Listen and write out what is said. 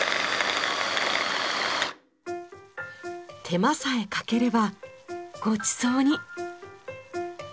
手間さえかければごちそうに。